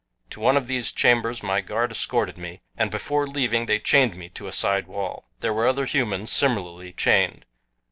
To one of these chambers my guard escorted me, and before leaving they chained me to a side wall. There were other humans similarly chained.